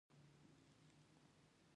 پاچا تل د ځان او کورنۍ په اړه فکر کوي.